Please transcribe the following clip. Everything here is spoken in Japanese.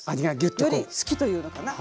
より好きというのかな。